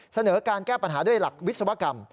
เสนอการแก้ปัญหาด้วยหลักวิศวกรรม